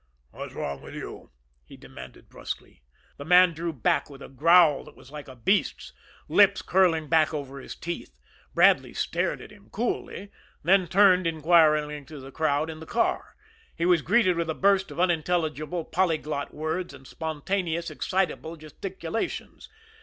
"What's wrong with you?" he demanded brusquely. The man drew back with a growl that was like a beast's, lips curling back over the teeth. Bradley stared at him coolly, then turned inquiringly to the crowd in the car. He was greeted with a burst of unintelligible, polyglot words, and spontaneous, excitable gesticulations.